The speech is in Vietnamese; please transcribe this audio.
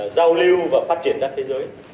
giao lưu và phát triển ra thế giới